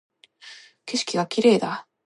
景色が綺麗だ